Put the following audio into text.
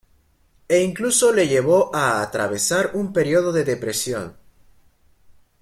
E incluso le llevó a atravesar un periodo de depresión.